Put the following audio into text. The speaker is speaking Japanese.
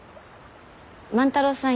万太郎さん